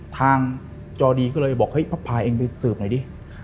ทางจอดีก็เลยบอกเฮ้ยพาเองไปสืบหน่อยดิ